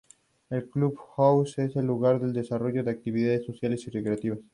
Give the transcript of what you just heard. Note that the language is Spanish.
El club house es el lugar de desarrollo de actividades sociales y recreativas.